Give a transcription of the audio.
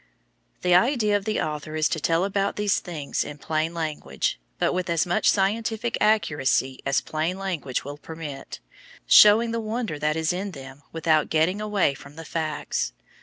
The idea of the author is to tell about these things in plain language, but with as much scientific accuracy as plain language will permit, showing the wonder that is in them without getting away from the facts.